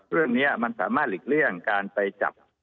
เรื่องนี้มันสามารถหลีกเลี่ยงการไปจับ